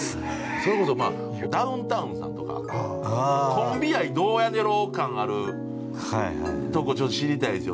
それこそまあダウンタウンさんとかコンビ愛どうやねんやろう感あるとこちょっと知りたいですよね。